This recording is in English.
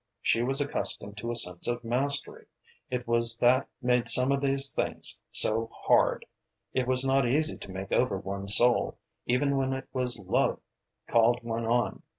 She was accustomed to a sense of mastery; it was that made some of these things so hard. It was not easy to make over one's soul, even when it was love called one on.